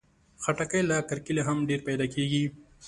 خټکی له کرکيله هم ډېر پیدا کېږي.